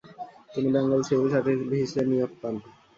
তিনি Bengal civil সার্ভিসে নিয়োগ পান।